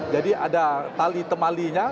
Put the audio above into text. jadi ada tali temalinya